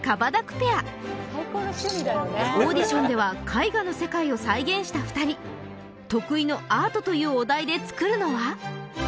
ペアオーディションでは絵画の世界を再現した２人得意のアートというお題で作るのは？